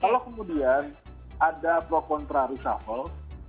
kalau kemudian ada pro kontra reshuffle